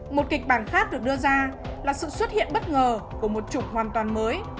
một kịch bản khác được đưa ra là sự xuất hiện bất ngờ của một trục hoàn toàn mới